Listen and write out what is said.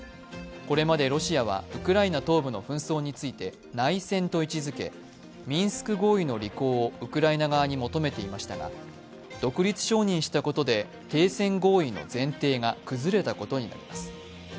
これまでロシアはウクライナ東部の紛争について内戦と位置づけミンスク合意の履行をウクライナ側に求めていましたが、独立承認したことで停戦合意の前提が崩れたことになります。